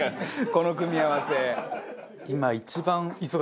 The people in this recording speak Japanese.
この組み合わせ。